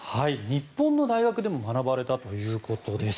日本の大学でも学ばれたということです。